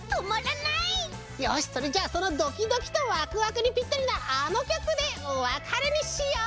よしそれじゃそのドキドキとワクワクにぴったりなあのきょくでおわかれにしよう！